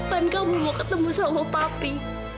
kapan kamu mau ketemu sama papi